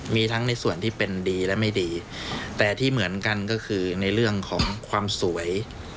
มีทั้งในส่วนที่เป็นดีและไม่ดีแต่ที่เหมือนกันก็คือในเรื่องของความสวย